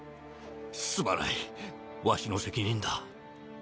すまないわしの責任だ。